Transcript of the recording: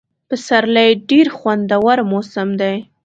پسرلی ډېر خوندور موسم دی.